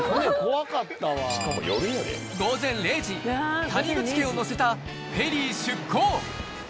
午前０時、谷口家を乗せたフェリー出航。